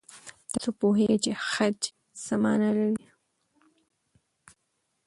تاسو پوهېږئ چې خج څه مانا لري؟